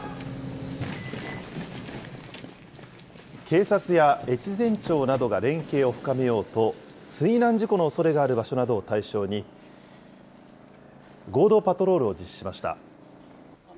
警察や越前町などが連携を深めようと、水難事故のおそれがある場所などを対象に、合同パトロールを実施しました。